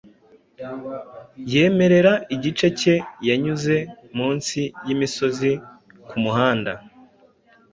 yemerera igice cye Yanyuze munsi yimisozi kumuhanda